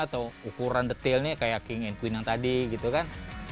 atau ukuran detailnya kayak king and queen yang tadi gitu kan